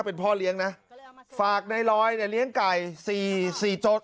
เป็นพ่อเลี้ยงนะฝากนัยลอยเนี่ยเลี้ยงไก่